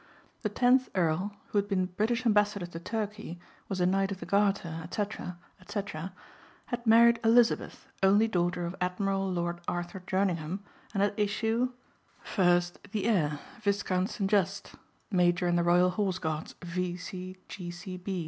The tenth earl, who had been British Ambassador to Turkey, was a Knight of the Garter, etc., etc., had married Elizabeth only daughter of Admiral, Lord Arthur Jerningham and had issue: First the heir, Viscount St. Just, major in the Royal Horse Guards, V.